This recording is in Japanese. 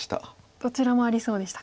どちらもありそうでしたか。